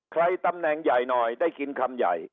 ใครตำแหน่งใหญ่หน่อยได้กินคำใหญ่